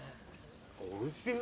おいしいよ。